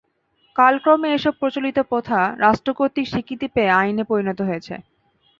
কালক্রমে এসব প্রচলিত প্রথা রাষ্ট্র কর্তৃক স্বীকৃতি পেয়ে আইনে পরিণত হয়েছে।